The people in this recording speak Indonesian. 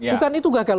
bukan itu gagal